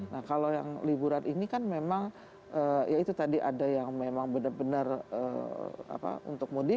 nah kalau yang liburan ini kan memang ya itu tadi ada yang memang benar benar untuk mudik